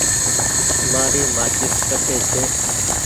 مآري مآچيس ڪٺي ڇي۔